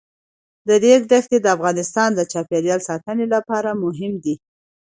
د ریګ دښتې د افغانستان د چاپیریال ساتنې لپاره مهم دي.